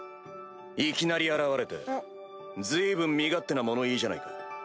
いきなり現れて随分身勝手な物言いじゃないか。